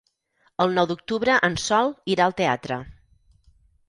El nou d'octubre en Sol irà al teatre.